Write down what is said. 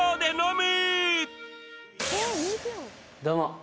どうも。